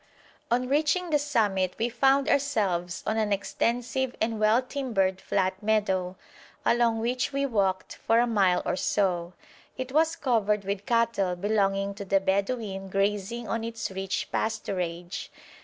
On reaching the summit we found ourselves on an extensive and well timbered flat meadow, along which we walked for a mile or so. It was covered with cattle belonging to the Bedouin grazing on its rich pasturage.